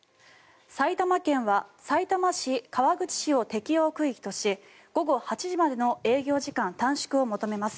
埼玉県はさいたま市、川口市を適用区域とし午後８時までの営業時間短縮を求めます。